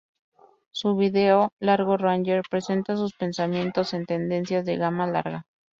Su video "Largo Ranger" presenta sus pensamientos en tendencias de gama larga.